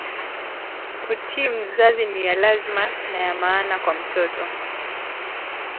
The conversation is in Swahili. Kutii mzazi niya lazima na ya maana kwa mtoto